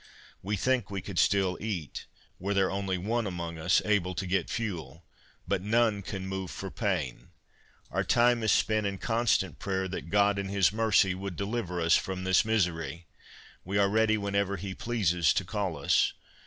We think we could still eat, were there only one among us able to get fuel, but none can move for pain; our time is spent in constant prayer, that God, in his mercy, would deliver us from this misery; we are ready whenever he pleases to call us.